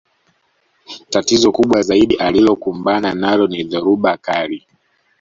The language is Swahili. Tatizo kubwa zaidi alilokumbana nalo ni dhoruba kali